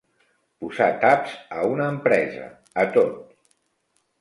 Posar taps a una empresa, a tot.